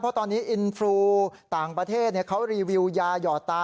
เพราะตอนนี้อินทรูต่างประเทศเขารีวิวยาหยอดตา